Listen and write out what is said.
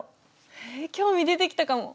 へえ興味出てきたかも。